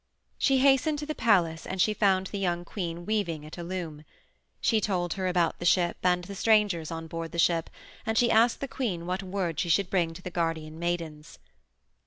She hastened to the palace and she found the young queen weaving at a loom. She told her about the ship and the strangers on board the ship, and she asked the queen what word she should bring to the guardian maidens.